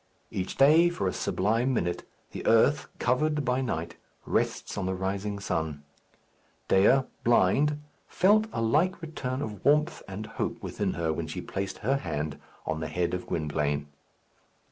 Each day, for a sublime minute, the earth, covered by night, rests on the rising sun. Dea, blind, felt a like return of warmth and hope within her when she placed her hand on the head of Gwynplaine.